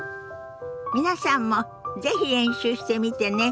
皆さんも是非練習してみてね。